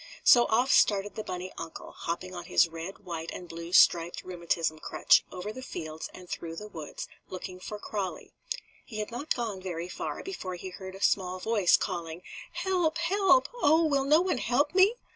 So off started the bunny uncle, hopping on his red, white and blue striped rheumatism crutch over the fields and through the woods, looking for Crawlie. He had not gone very far before he heard a small voice calling: "Help! Help! Oh, will no one help me?"